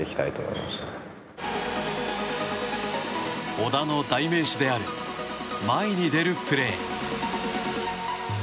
小田の代名詞である前に出るプレー。